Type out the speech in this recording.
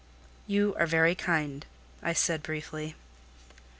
"You are very kind," I said briefly.